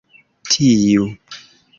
Tiu!